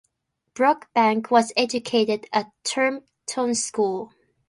Brockbank was educated at Turton School.